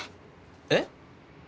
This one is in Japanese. えっ？